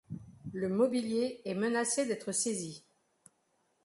Le mobilier est menacé d'être saisi.